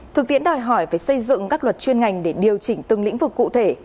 thực tiễn đòi hỏi về xây dựng các luật chuyên ngành để điều chỉnh từng lĩnh vực cụ thể